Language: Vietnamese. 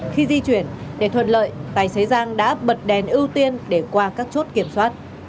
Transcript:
khi di chuyển để thuận lợi tài xế giang đã bật đèn ưu tiên để qua các chốt kiểm soát